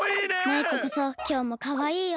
マイカこそきょうもかわいいよ。